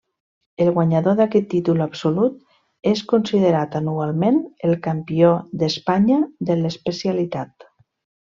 El guanyador d'aquest títol absolut és considerat anualment el campió d'Espanya de l'especialitat.